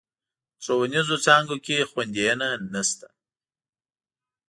په ښوونيزو څانګو کې خونديينه نشته.